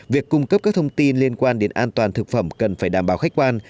việc cung cấp các thông tin liên quan đến an toàn thực phẩm cần phải đảm bảo khách quan